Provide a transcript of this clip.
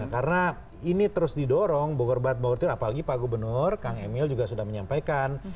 karena ini terus didorong bogor barat bogor timur apalagi pak gubernur kang emil juga sudah menyampaikan